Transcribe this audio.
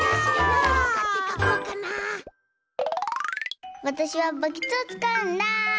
わたしはバケツをつかうんだ。